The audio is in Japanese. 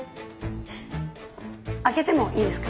開けてもいいですか？